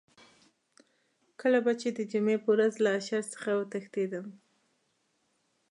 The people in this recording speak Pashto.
کله به چې د جمعې په ورځ له اشر څخه وتښتېدم.